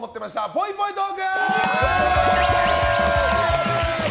ぽいぽいトーク！